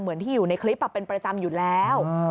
เหมือนที่อยู่ในคลิปเป็นประจำอยู่แล้ว